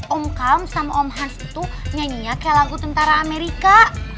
om come sama om has tuh nyanyinya kayak lagu tentara amerika